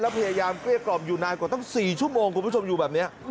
พยายามเกลี้ยกล่อมอยู่นานกว่าตั้ง๔ชั่วโมงคุณผู้ชมอยู่แบบนี้